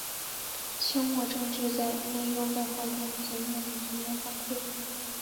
清末政治在内忧外患中已经面临全面崩溃。